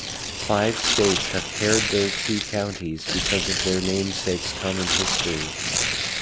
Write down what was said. Five states have paired their two counties because of their namesake's common history.